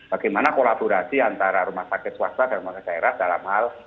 bagaimana kolaborasi antara rumah sakit swasta dan rumah sakit daerah dalam hal